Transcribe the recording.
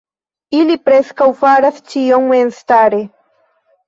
Ili preskaŭ faras ĉion memstare.